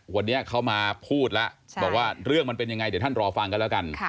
วันนี้เขามาพูดแล้วบอกว่าเรื่องมันเป็นยังไงเดี๋ยวท่านรอฟังกันแล้วกัน